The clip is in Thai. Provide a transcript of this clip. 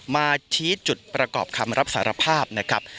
มาชี้จุดประกอบคำรับสารภาพนะครับ